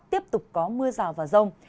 tiếp tục có mưa rào và rông